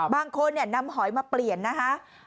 บางคนนำหอยมาเปลี่ยนนะคะ